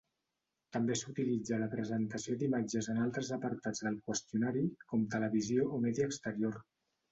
També s'utilitza la presentació d'imatges en altres apartats del qüestionari com televisió o medi exterior.